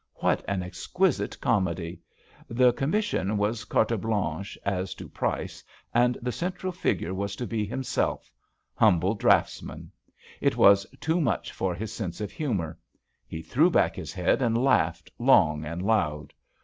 What an exquisite comedy I The commission was carte blanche as to price and the central figure was to be himself — humble draughts man I It was too much for his sense of humor. He threw back his head and laughed long and loud.